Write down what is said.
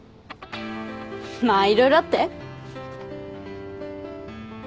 まあ色々あって。